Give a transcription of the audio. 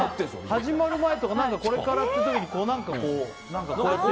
始まる前とかこれから来る時にこうやって。